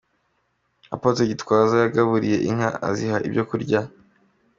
Apotre Gitwaza yagaburiye inka aziha ibyo kurya.